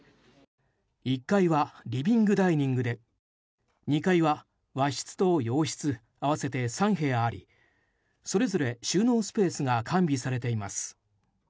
１階はリビングダイニングで２階は和室と洋室合わせて３部屋ありそれぞれ収納スペースが完備されています。